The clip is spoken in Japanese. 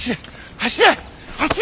走れ！